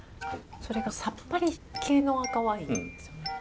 それがさっぱり系の赤ワインですよね。